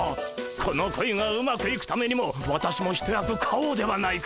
この恋がうまくいくためにも私も一役買おうではないか。